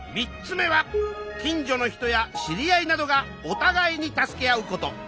３つ目は近所の人や知り合いなどがお互いに助け合うこと。